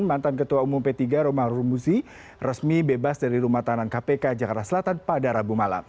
mantan ketua umum p tiga romah rumuzi resmi bebas dari rumah tahanan kpk jakarta selatan pada rabu malam